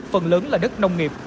phần lớn là đất nông nghiệp